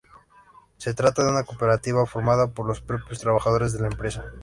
Se trata de una cooperativa formada por los propios trabajadores de la empresa.